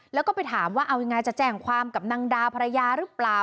แล้วก็ไปถามว่าเอายังไงจะแจ้งความกับนางดาภรรยาหรือเปล่า